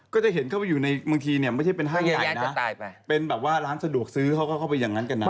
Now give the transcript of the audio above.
ก็จะเห็นเข้าไปอยู่ในบางทีเนี่ยไม่ใช่เป็นห้างใหญ่นะเป็นแบบว่าร้านสะดวกซื้อเขาก็เข้าไปอย่างนั้นกันนะ